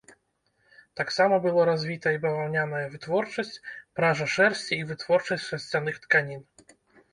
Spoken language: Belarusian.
Таксама было развіта і баваўняная вытворчасць, пража шэрсці і вытворчасць шарсцяных тканін.